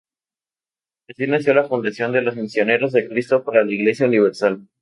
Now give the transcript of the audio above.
Así nació la fundación de los Misioneros de Cristo para la Iglesia Universal.